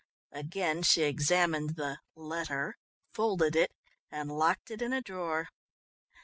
Again she examined the "letter," folded it and locked it in a drawer.